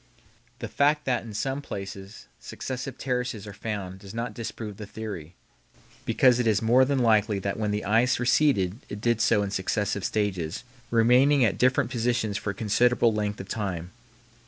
The fact that in some places successive terraces are found does not disprove the theory, because it is more than likely that when the ice receded it did so in successive stages, remaining at different positions for a considerable length of time.